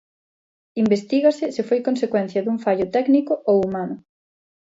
Investígase se foi consecuencia dun fallo técnico ou humano.